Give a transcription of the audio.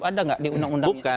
ada enggak di undang undangnya